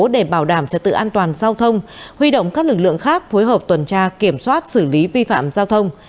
để bảo đảm trật tự an toàn giao thông huy động các lực lượng khác phối hợp tuần tra kiểm soát xử lý vi phạm giao thông